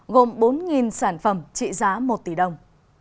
gồm bốn sản phẩm trị giá một tỷ đồng